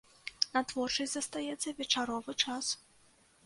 На творчасць застаецца вечаровы час.